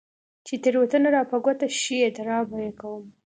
چې تېروتنه راپه ګوته شي، اعتراف به يې کوم.